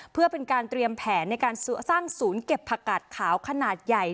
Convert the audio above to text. เพื่อเป็นการเตรียมแผนในการสร้างศูนย์เก็บผักกาดขาวขนาดใหญ่